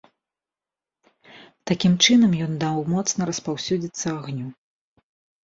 Такім чынам ён даў моцна распаўсюдзіцца агню.